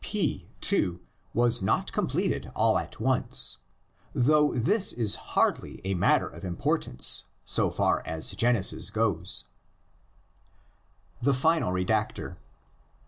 P, too, was not completed all at once, though this is hardly a matter of importance so far as Genesis goes THE FINAL REDACTOR.